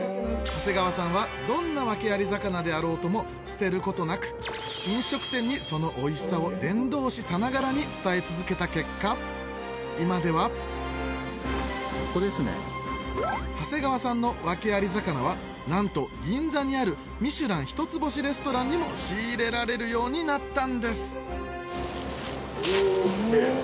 長谷川さんはどんなワケアリ魚であろうとも捨てることなく飲食店にそのおいしさを伝道師さながらに伝え続けた結果今では長谷川さんのワケアリ魚はなんと銀座にあるミシュラン１つ星レストランにも仕入れられるようになったんです